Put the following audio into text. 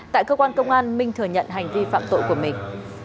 tại cơ quan công an minh thừa nhận hành vi phạm tội của mình